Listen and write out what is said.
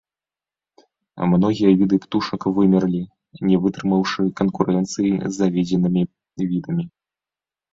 Многія віды птушак вымерлі, не вытрымаўшы канкурэнцыі з завезенымі відамі.